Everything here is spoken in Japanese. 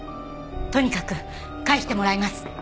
とにかく返してもらいます。